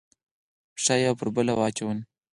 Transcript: پښه یې یوه پر بله واچوله.